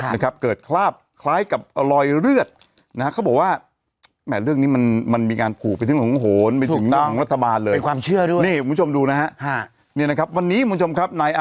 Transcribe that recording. นะครับเกิดฆลาภคลายกับลอยเลือดนะครับเขาบอกว่าแหม่เรื่องนี้มัน